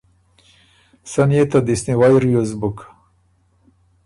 سن يې ته دست نیوئ ریوز بُک۔